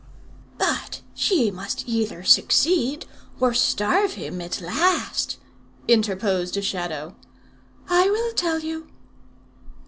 "But she must either succeed, or starve him, at last," interposed a Shadow. "I will tell you."